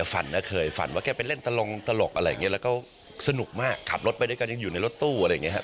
ฝันนะเคยฝันว่าแกไปเล่นตลกอะไรอย่างนี้แล้วก็สนุกมากขับรถไปด้วยกันยังอยู่ในรถตู้อะไรอย่างนี้ครับ